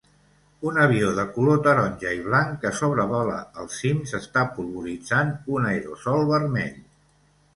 Un avió de color taronja y blanc que sobrevola els cims està polvoritzant un aerosol vermell.